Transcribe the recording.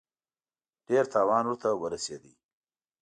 ډېر تاوان ورته ورسېد.